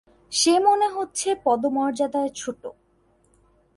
সে মনে হচ্ছে পদমর্যাদায় ছোট।